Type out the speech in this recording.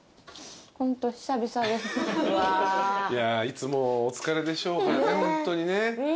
いつもお疲れでしょうからホントにね。